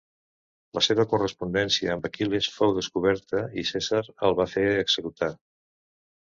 La seva correspondència amb Aquil·les fou descoberta i Cèsar el va fer executar.